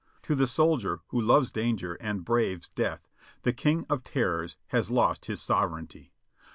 To the soldier who loves danger and braves death, the King of Terrors has lost his sovereignty.